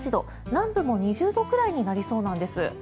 南部も２０度くらいになりそうなんです。